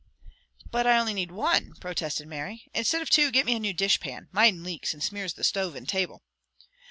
"But I only need one," protested Mary. "Instead of two, get me a new dishpan. Mine leaks, and smears the stove and table."